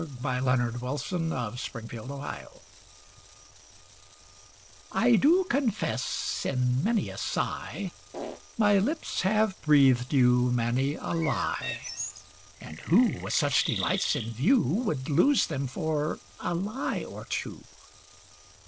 "Uawro SArcamo, I DO confess, in many a sigh, My lips have breath'd you many a lie ; And who, with such delights in view, Would lose them, for a lie or two